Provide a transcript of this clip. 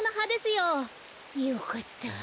よかった。